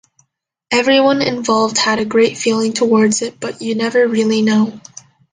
Everyone involved had a great feeling towards it, but you never really know.